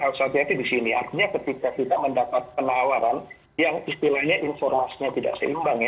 jadi disini artinya ketika kita mendapat penawaran yang istilahnya informasinya tidak seimbang ya